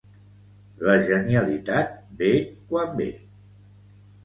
La genialitat ve quan ve